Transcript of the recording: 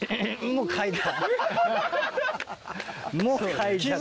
もう嗅いだ。